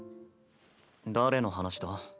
誰の話だ？